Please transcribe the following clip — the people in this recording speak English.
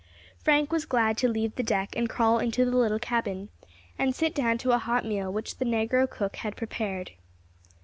Frank was glad to leave the deck and crawl into the little cabin, and sit down to a hot meal which the negro cook had prepared.